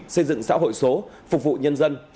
xây dựng xã hội số phục vụ nhân dân